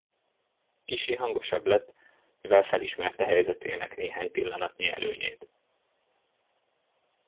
Kissé hangosabb lett, mivel felismerte helyzetének néhány pillanatnyi előnyét.